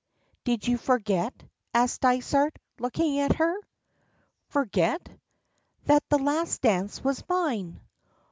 "Did you forget?" asks Dysart, looking at her. "Forget?" "That the last dance was mine?"